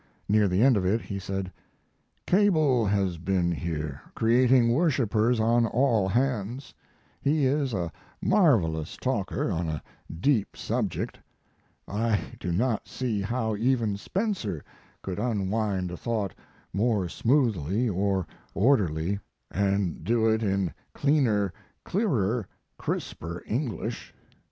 Near the end of it he said: Cable has been here, creating worshipers on all hands. He is a marvelous talker on a deep subject. I do not see how even Spencer could unwind a thought more smoothly or orderly, and do it in cleaner, clearer, crisper English.